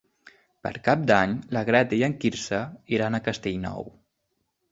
Per Cap d'Any na Greta i en Quirze iran a Castellnou.